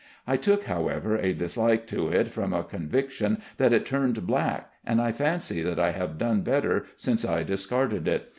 I took, however, a dislike to it from a conviction that it turned black, and I fancy that I have done better since I discarded it.